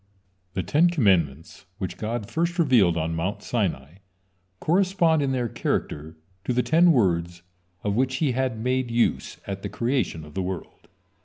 The Ten Commandments, which God first revealed on Mount Sinai, correspond in their character to the ten words of which He had made use at the creation of the world.